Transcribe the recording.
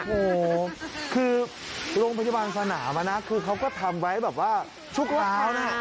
โอ้โหคือโรงพยาบาลสนามนะคือเขาก็ทำไว้แบบว่าทุกเช้านะ